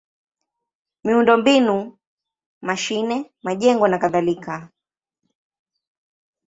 miundombinu: mashine, majengo nakadhalika.